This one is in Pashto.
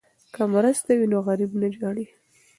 که مرسته وي نو غریب نه ژاړي.